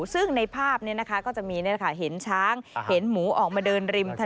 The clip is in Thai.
ซึ่งในภาพก็จะมีเห็นช้างเห็นหมูออกมาเดินริมถนน